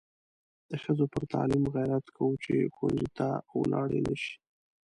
د ښځو پر تعلیم غیرت کوو چې ښوونځي ته ولاړې نشي.